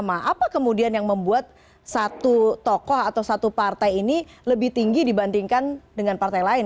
apa kemudian yang membuat satu tokoh atau satu partai ini lebih tinggi dibandingkan dengan partai lain